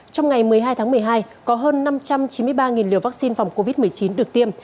trong ngày một mươi hai tháng một mươi hai có hơn năm trăm chín mươi ba liều vaccine phòng covid một mươi chín được tiêm